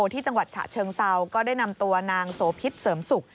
ที่จังหวัดฉะเชิงเซาก็ได้นำตัวนางโสพิษเสริมสุข